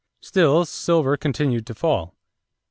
Still silver continued to fall.